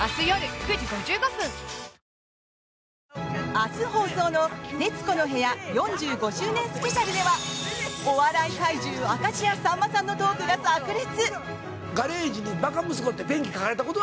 明日放送の「徹子の部屋４５周年スペシャル」ではお笑い怪獣明石家さんまのトークが炸裂！